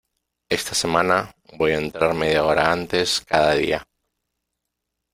Esta semana voy a entrar media hora antes cada día.